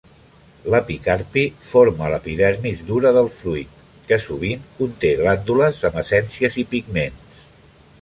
L'epicarpi forma l'epidermis dura del fruit que, sovint, conté glàndules amb essències i pigments.